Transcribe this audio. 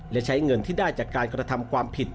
และใช้เงินที่ได้จากการกระทำความผิด